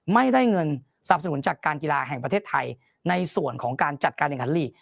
ไม่ได้เงินสนับสนุนจากการกีฬาแห่งประเทศไทยในส่วนของการจัดการแข่งขันลีก